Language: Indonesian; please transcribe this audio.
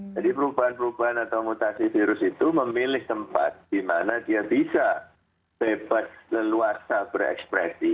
jadi perubahan perubahan atau mutasi virus itu memilih tempat di mana dia bisa bebas leluasa berekspresi